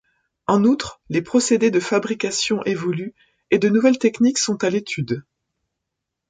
En outre, les procédés de fabrication évoluent, et de nouvelles techniques sont à l'étude.